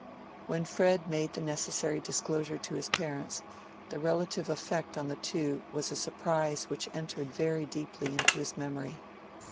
When Fred made the necessary disclosure to his parents, the relative effect on the two was a surprise which entered very deeply into his memory.